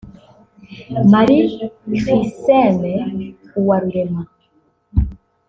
Marie Chriscence Uwarurema